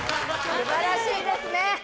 素晴らしいですね！